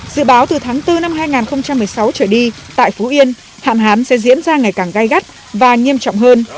dự báo từ tháng bốn năm hai nghìn một mươi sáu trở đi tại phú yên hạn hán sẽ diễn ra ngày càng gai gắt và nghiêm trọng hơn